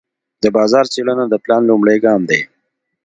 د بازار څېړنه د پلان لومړی ګام دی.